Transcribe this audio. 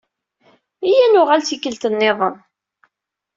Iya ad nuɣal tikelt-nniḍen.